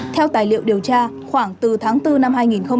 theo tài liệu điều tra khoảng từ tháng bốn năm hai nghìn hai mươi